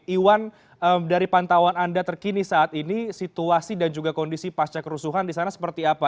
iwan dari pantauan anda terkini saat ini situasi dan juga kondisi pasca kerusuhan di sana seperti apa